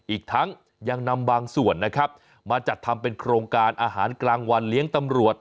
อีกทั้งยังนำบางส่วนนะครับมาจัดทำเป็นโครงการอาหารกลางวันเลี้ยงตำรวจ